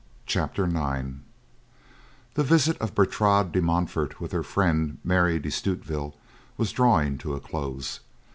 CHAPTER IX The visit of Bertrade de Montfort with her friend Mary de Stutevill was drawing to a close.